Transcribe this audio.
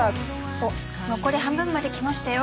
おっ残り半分まで来ましたよ。